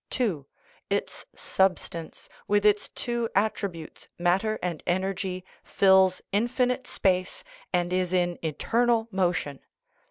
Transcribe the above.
(2) Its substance, with its two attri butes (matter and energy), fills infinite space, and is in eternal motion.